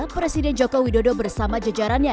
presiden joko widodo bersama jejarannya